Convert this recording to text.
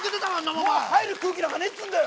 もう入る空気なんかねえっつうんだよ。